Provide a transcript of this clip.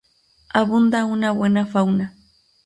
Abunda una buena fauna.